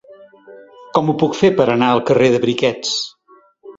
Com ho puc fer per anar al carrer de Briquets?